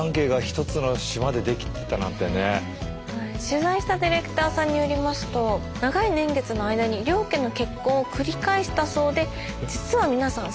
取材したディレクターさんによりますと長い年月の間に両家の結婚を繰り返したそうで実は皆さん